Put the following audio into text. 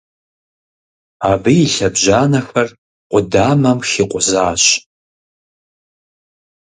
Абы и лъэбжьанэхэр къудамэм хикъузащ.